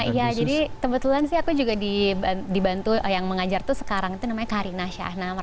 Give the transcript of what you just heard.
iya jadi kebetulan sih aku juga dibantu yang mengajar tuh sekarang itu namanya karina syahnama